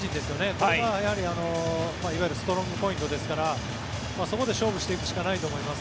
これがいわゆるストロングポイントですからそこで勝負していくしかないと思います。